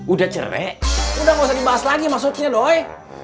udah cerai udah gausah dibahas lagi maksudnya doi